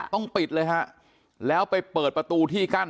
ต้องปิดเลยฮะแล้วไปเปิดประตูที่กั้น